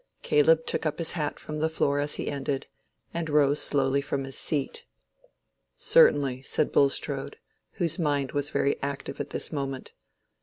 Caleb took up his hat from the floor as he ended, and rose slowly from his seat. "Certainly," said Bulstrode, whose mind was very active at this moment.